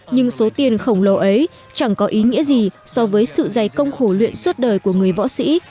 nhưng số tiền khổng lồ ấy chẳng có ý nghĩa gì so với sự giày công khổ luyện suốt đời của người võ sĩ